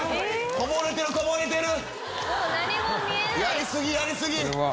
こぼれてるこぼれてる！